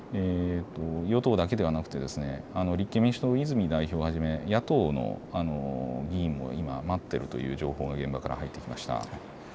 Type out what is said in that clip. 与党だけではなく立憲民主党の泉代表をはじめ野党の議員も今、待っているという情報が現場から入ってきました。